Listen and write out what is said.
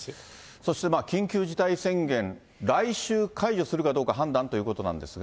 そして緊急事態宣言、来週解除するかどうか判断ということなんですが。